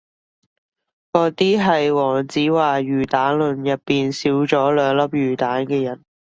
嗰啲係黃子華魚蛋論入面少咗兩粒魚蛋嘅人